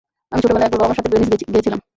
আমি ছোটবেলায় একবার বাবা-মার সাথে ভেনিস গিয়েছিলাম।